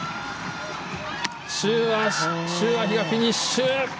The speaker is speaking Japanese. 周あ菲がフィニッシュ。